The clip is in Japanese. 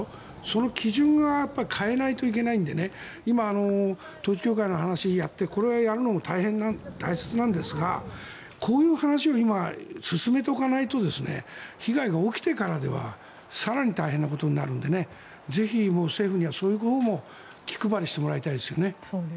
その基準が変えないといけないんで今、統一教会の話をやっていてこれをやるのも大切なんですがこういう話を今、進めておかないと被害が起きてからでは更に大変なことになるんでぜひ、政府にはそういうほうも気配りしてもらいたいですね。